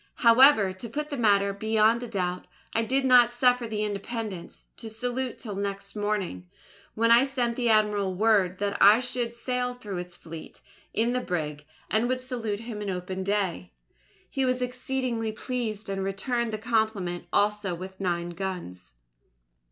"However, to put the matter beyond a doubt, I did not suffer the Independence (an American brig that was with Paul Jones) to salute till next morning, when I sent the Admiral word, that I should sail through his Fleet in the brig, and would salute him in open day. "He was exceedingly pleased, and returned the compliment also with nine guns."